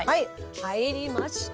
入りました！